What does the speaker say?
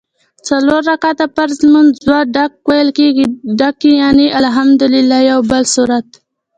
څلور رکعته فرض لمونځ دوه ډک ویل کېږي ډک یعني الحمدوالله او یوبل سورت